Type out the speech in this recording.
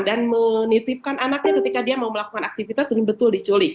dan menitipkan anaknya ketika dia mau melakukan aktivitas sering betul diculik